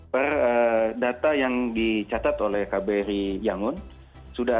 per data yang dicatat oleh kbr yangon sudah ada sembilan puluh enam warga negara kita yang merencanakan untuk pulang